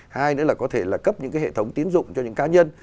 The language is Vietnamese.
hai nữa là có thể là cấp những cái hệ thống tín dụng cho những cá nhân